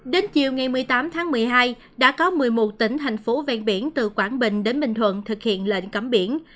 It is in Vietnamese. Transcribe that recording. đến chiều ngày một mươi tám tháng một mươi hai đã có một mươi một tỉnh thành phố ven biển từ quảng bình đến bình thuận thực hiện lệnh cấm biển